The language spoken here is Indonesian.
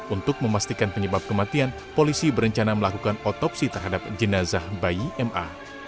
untuk memastikan penyebab kematian polisi berencana melakukan otopsi terhadap jenazah bayi ma